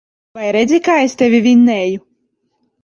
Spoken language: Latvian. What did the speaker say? Vai redzi, kā es tevi vinnēju.